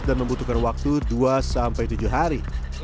dan membutuhkan waktu dua sampai tujuh hari